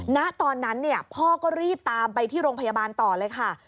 ณตอนนั้นพ่อก็รีบตามไปที่โรงพยาบาลต่อเลยค่ะ